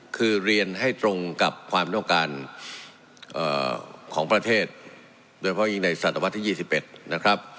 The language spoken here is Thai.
คือเรียนให้ตรงกับความต้องการของประเทศโดยเพราะยิ่งในศตวรรษที่๒๑นะครับ